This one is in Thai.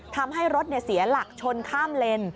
ทำให้รถเสียหลักชนข้ามเลน